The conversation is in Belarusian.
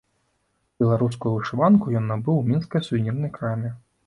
Беларускую вышыванку ён набыў у мінскай сувернірнай краме.